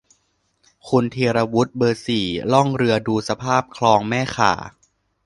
คุณธีรวุฒิ เบอร์ สี่ ล่องเรือดูสภาพคลองแม่ข่า